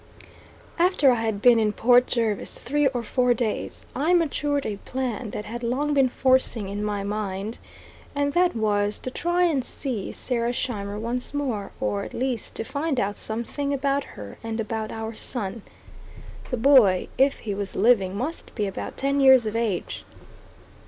After I had been in Port Jervis three or four days I matured a plan that had long been forcing in my mind, and that was, to try and see Sarah Scheimer once more, or at least to find out something about her and about our son. The boy, if he was living, must be about ten years of age.